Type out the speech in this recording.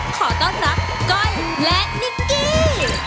ขอต้อนรับก้อยและนิกกี้